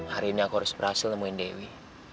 hari ini aku harus berhasil nemuin dewi